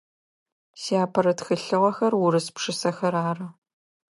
Сиапэрэ тхылъыгъэхэр урыс пшысэхэр ары.